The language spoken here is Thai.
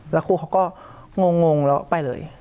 แล้วครูเขาก็งงแล้วไปเลย